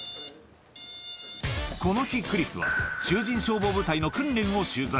この日、クリスは囚人消防部隊の訓練を取材。